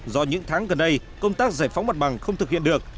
do những tháng gần đây công tác giải phóng mặt bằng không thực hiện được